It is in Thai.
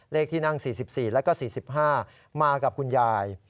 ที่นั่ง๔๔แล้วก็๔๕มากับคุณยาย